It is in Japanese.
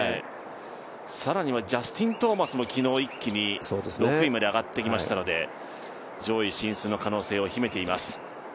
更にはジャスティン・トーマスも昨日は一気に６位まで上がってきましたので、上位進出の可能性を秘めています。